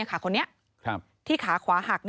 คนนี้ที่ขาขวาหัก